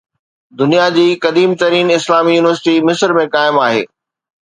دنيا جي قديم ترين اسلامي يونيورسٽي مصر ۾ قائم آهي.